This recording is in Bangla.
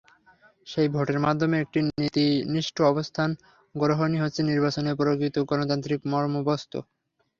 সেই ভোটের মাধ্যমে একটি নীতিনিষ্ঠ অবস্থান গ্রহণই হচ্ছে নির্বাচনের প্রকৃত গণতান্ত্রিক মর্মবস্তু।